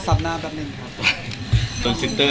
แม่ช้างติดหน้าแบบนี้